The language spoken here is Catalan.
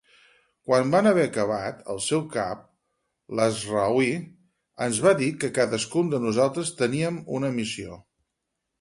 Quan van haver acabat, el seu cap, Laazraoui, ens va dir que cadascun de nosaltres teníem una missió.